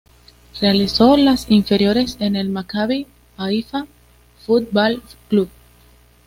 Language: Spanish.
Realizó las inferiores en el Maccabi Haifa Football Club.